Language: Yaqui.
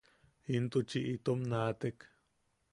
Intuchi itom naatek.